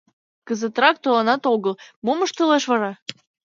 Кызытрак толынат огыл, мом ыштылеш вара?